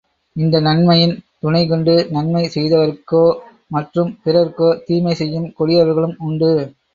இந்த நன்மையின் துணைகொண்டு, நன்மை செய்தவருக்கோ மற்றும் பிறர்க்கோ தீமை செய்யும் கொடியவர்களும் உண்டு.